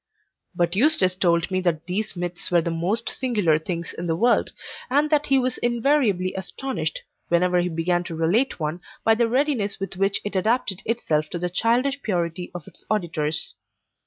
But Eustace told me that these myths were the most singular things in the world, and that he was invariably astonished, whenever he began to relate one, by the readiness with which it adapted itself to the childish purity of his auditors.